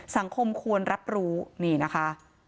สังคมควรรับรู้นี่นะคะ